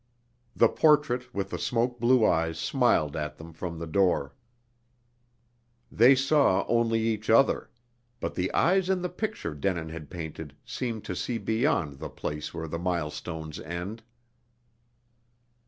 The portrait with the smoke blue eyes smiled at them from the door. They saw only each other: but the eyes in the picture Denin had painted seemed to see beyond the place where the milestones end.